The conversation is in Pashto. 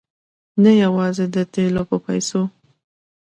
نه یوازې د تېلو په پیسو.